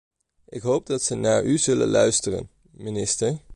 Ik hoop dat ze naar u zullen luisteren, minister.